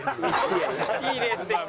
いいレースできた？